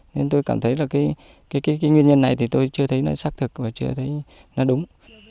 nên tôi cảm thấy là cái nguyên nhân này thì tôi chưa thấy nó xác thực và chưa thấy nó đúng